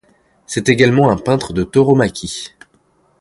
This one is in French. C'est également un peintre de tauromachie.